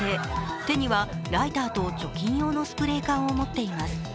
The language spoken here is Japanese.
手にはライターと除菌用のスプレー缶を持っています。